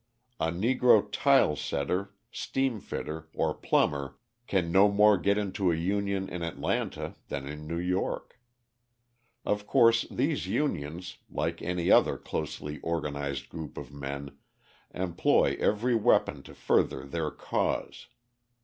A Negro tile setter, steam fitter or plumber can no more get into a union in Atlanta than in New York. Of course these unions, like any other closely organised group of men, employ every weapon to further their cause.